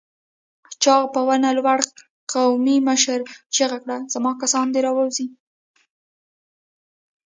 چاغ په ونه لوړ قومي مشر چيغه کړه! زما کسان دې راووځي!